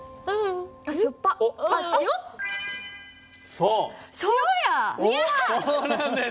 そうなんです。